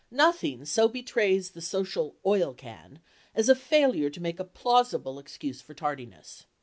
Nothing so betrays the social "oil can" as a failure to make a plausible excuse for tardiness.